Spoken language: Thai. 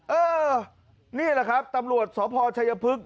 เออนี่แหละครับตำรวจสพชัยพฤกษ